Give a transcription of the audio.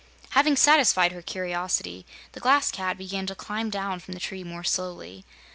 Having satisfied her curiosity, the Glass Cat began to climb down from the tree more slowly.